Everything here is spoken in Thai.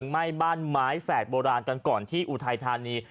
ไหม้บ้านไม้แฝดโบราณกันก่อนที่อุทัยธานี